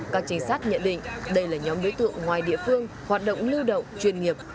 các trinh sát nhận định đây là nhóm đối tượng ngoài địa phương hoạt động lưu động chuyên nghiệp